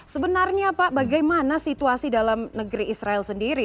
sebenarnya pak bagaimana situasi dalam negeri israel sendiri